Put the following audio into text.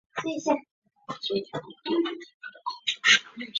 召集人为彭百显。